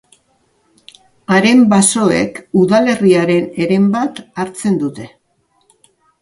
Haren basoek udalerriaren heren bat hartzen dute.